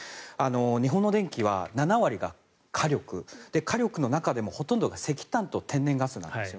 日本の電気は７割が火力火力の中でもほとんどが石炭と天然ガスなんです。